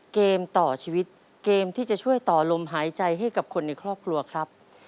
เกมต่อชีวิตเกมที่จะช่วยต่อลมหายใจให้กับคนในครอบครัวครับ